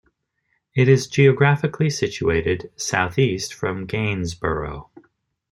It is geographically situated south-east from Gainsborough.